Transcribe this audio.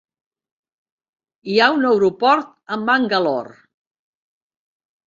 Hi ha un aeroport a Mangalore.